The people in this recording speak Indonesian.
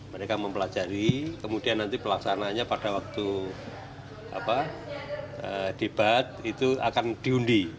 mereka mempelajari kemudian nanti pelaksananya pada waktu debat itu akan diundi